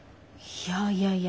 いやいやいや